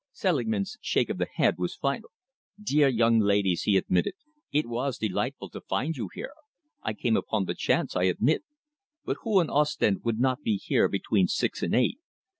Selingman's shake of the head was final. "Dear young ladies," he said, "it was delightful to find you here. I came upon the chance, I admit, but who in Ostend would not be here between six and eight?